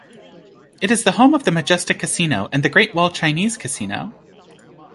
It is the home of the Majestic Casino and The Great Wall Chinese Casino.